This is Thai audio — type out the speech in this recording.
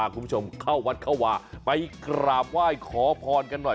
คุณผู้ชมเข้าวัดเข้าวาไปกราบไหว้ขอพรกันหน่อย